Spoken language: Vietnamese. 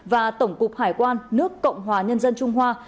và tổng cục hải quan nước cộng hòa nhân dân trung hoa